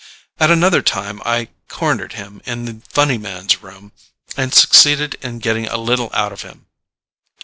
At another time I cornered him in the Funny Man's room and succeeded in getting a little out of him.